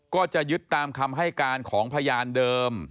ก็จะยึดตามคำให้การของพยานเดิม